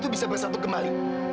bisa bersatu kembali